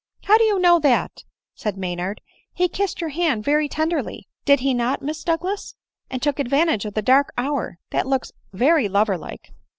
" How do you know that ?" said Maynard. "■ He kissed your hand very tenderly — did he not Miss Doug las ? and took advantage of the dark hour ; that looks very lover like."